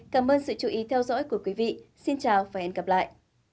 cảm ơn các bạn đã theo dõi và hẹn gặp lại